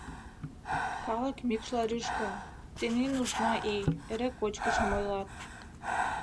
Калык мӱкшла рӱжга: тений нужна ий, эре кочкышым ойлат.